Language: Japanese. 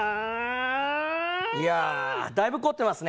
いや、だいぶ凝ってますね。